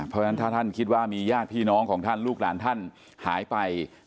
เพราะฉะนั้นถ้าท่านคิดว่ามีญาติพี่น้องของท่านลูกหลานท่านหายไป